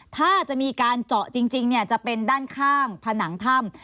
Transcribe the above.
ถ้าจะมีการเจาะจริงจะเป็นด้านข้างผนังถ้ำ